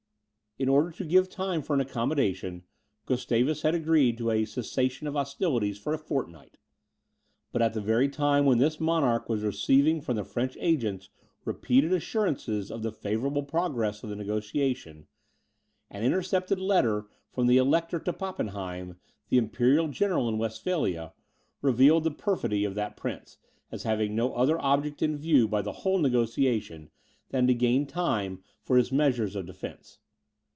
In order to give time for an accommodation, Gustavus had agreed to a cessation of hostilities for a fortnight. But at the very time when this monarch was receiving from the French agents repeated assurances of the favourable progress of the negociation, an intercepted letter from the Elector to Pappenheim, the imperial general in Westphalia, revealed the perfidy of that prince, as having no other object in view by the whole negociation, than to gain time for his measures of defence.